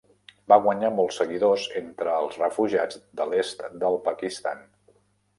Va guanyar molts seguidors entre els refugiats de l'est del Pakistan.